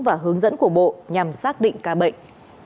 và hướng dẫn của bộ nhằm xác định ca bệnh